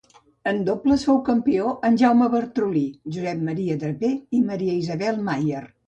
En dobles fou campió amb Jaume Bartrolí, Josep Maria Draper i Maria Isabel Maier.